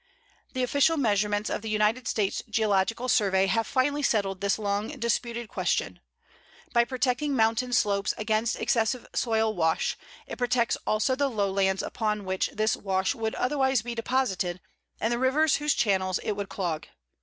The official measurements of the United States Geological Survey have finally settled this long disputed question. By protecting mountain slopes against excessive soil wash, it protects also the lowlands upon which this wash would otherwise be deposited and the rivers whose channels it would clog.